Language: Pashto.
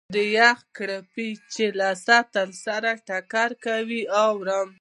د یخې کړپی چې له سطل سره ټکر کوي، واورم.